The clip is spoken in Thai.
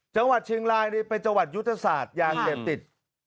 จังหวัดเชียงรายนี่เป็นจังหวัดยุทธศาสตร์ยาเสพติด